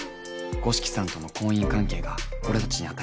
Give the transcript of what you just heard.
五色さんとの婚姻関係が俺たちに与える影響。